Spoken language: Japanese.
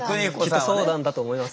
きっとそうなんだと思います。